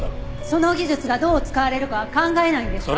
その技術がどう使われるかは考えないんですか？